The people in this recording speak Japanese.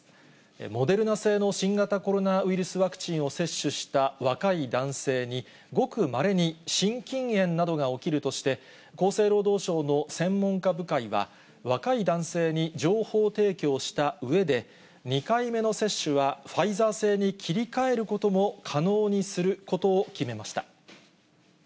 モデルナ製の新型コロナウイルスワクチンを接種した若い男性に、ごくまれに心筋炎などが起きるとして、厚生労働省の専門家部会は、若い男性に情報提供したうえで、２回目の接種はファイザー製に切り替えることも可能にすることを決めました。